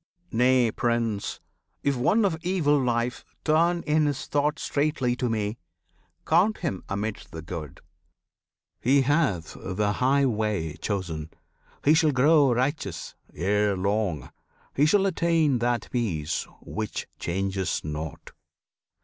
Nay, Prince! If one of evil life turn in his thought Straightly to Me, count him amidst the good; He hath the high way chosen; he shall grow Righteous ere long; he shall attain that peace Which changes not.